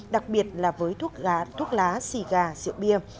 đặc biệt là với thuốc lá xì gà rượu bia